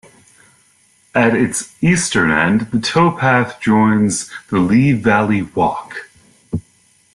At its eastern end, the towpath joins the Lea Valley Walk.